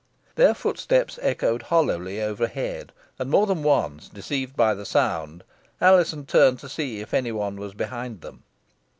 Their footsteps echoed hollowly overhead, and more than once, deceived by the sound, Alizon turned to see if any one was behind them.